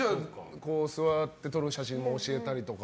座って撮る写真も教えたりとか。